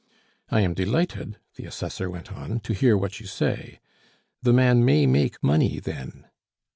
"I am delighted," the Assessor went on, "to hear what you say. The man may make money then?"